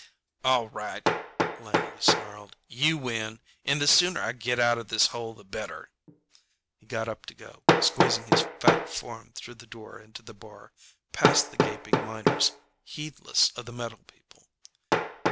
"All right," Langley snarled. "You win. And the sooner I get out of this hole the better." He got up to go, squeezing his fat form through the door into the bar, past the gaping miners and the metal people, heedless of the metal people.